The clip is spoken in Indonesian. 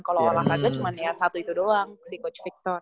kalau olahraga cuma satu itu doang si coach victor